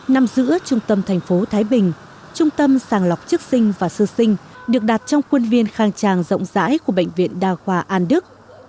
nằm giữa trung tâm thành phố thái bình trung tâm sàng lọc chức sinh và sơ sinh được đặt trong khuôn viên khang trang rộng rãi của bệnh viện đa khoa an đức